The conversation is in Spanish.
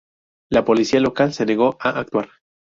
La policía local se negó a actuar.